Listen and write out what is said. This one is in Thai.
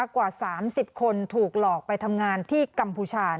กว่า๓๐คนถูกหลอกไปทำงานที่กัมพูชา